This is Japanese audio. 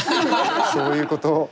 そういうこと。